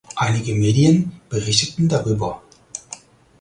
Einige Medien berichteten darüber.